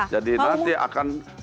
jadi nanti akan menimbang ilmu dari mereka